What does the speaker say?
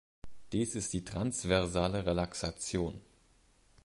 Dies ist die transversale Relaxation.